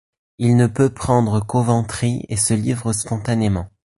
Il ne peut prendre Coventry et se livre spontanément.